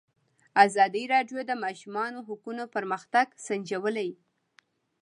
ازادي راډیو د د ماشومانو حقونه پرمختګ سنجولی.